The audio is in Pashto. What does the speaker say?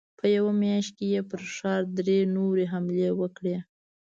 په يوه مياشت کې يې پر ښار درې نورې حملې هم وکړې.